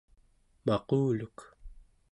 maquluk